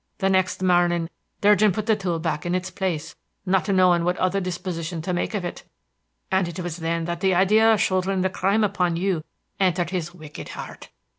The next morning Durgin put the tool back in its place, not knowing what other disposition to make of it, and it was then that the idea of shouldering the crime upon you entered his wicked heart.